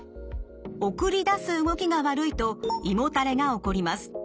送り出す動きが悪いと胃もたれが起こります。